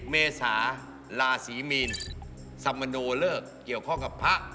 เมษาลาศรีมีนสมโนเลิกเกี่ยวข้องกับพระ